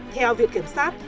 theo viện kiểm sát